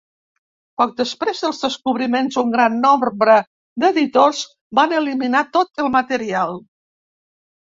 Poc després dels descobriments un gran nombre d'editors van eliminar tot el material.